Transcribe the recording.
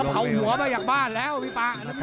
เขาเผาหัวมาอยากบ้านแล้วพี่ป๊า